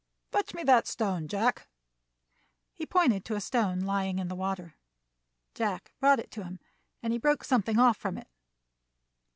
"Fetch me that stone, Jack." He pointed to a stone lying in the water. Jack brought it to him, and he broke something off from it.